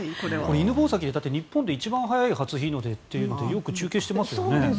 犬吠駅って日本で一番早い初日の出ってよく中継していますよね。